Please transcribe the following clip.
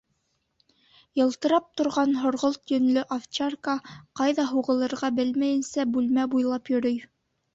Йылтырап торған һорғолт йөнлө овчарка, ҡайҙа һуғылырға белмәйенсә, бүлмә буйлап йөрөй.